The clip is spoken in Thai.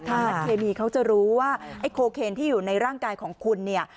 ถ้าเคมีเขาจะรู้ว่าไอ้โคเคนที่อยู่ในร่างกายของคุณเนี่ย